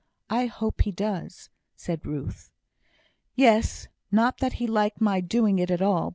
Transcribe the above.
I hope he does," said Ruth. "Yes. Not that he liked my doing it at all.